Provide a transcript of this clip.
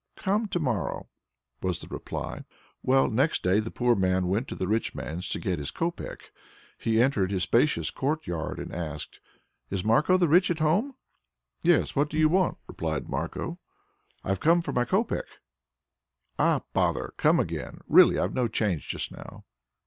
"Come to morrow," was the reply. Well next day the poor man went to the rich man's to get his copeck. He entered his spacious courtyard and asked: "Is Marko the Rich at home?" "Yes. What do you want?" replied Marko. "I've come for my copeck." "Ah, brother! come again. Really I've no change just now."